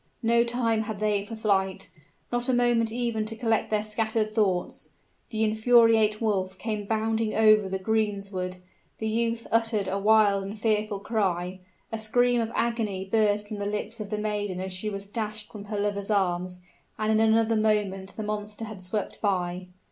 No time had they for flight, not a moment even to collect their scattered thoughts. The infuriate wolf came bounding over the greensward, the youth uttered a wild and fearful cry, a scream of agony burst from the lips of the maiden as she was dashed from her lover's arms, and in another moment the monster had swept by.